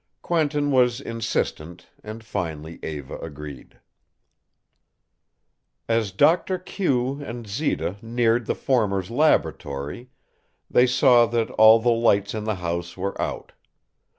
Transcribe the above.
Quentin was insistent, and finally Eva agreed. As Doctor Q and Zita neared the former's laboratory, they saw that all the lights in the house were out.